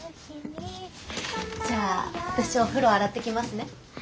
じゃあ私お風呂洗ってきますね。